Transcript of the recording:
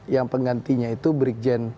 yang penggantinya itu brigjen